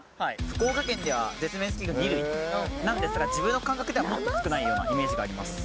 福岡県では絶滅危惧類なんですが自分の感覚ではもっと少ないようなイメージがあります。